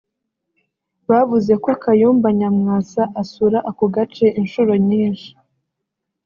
Bavuze ko Kayumba Nyamwasa asura ako gace inshuro nyinshi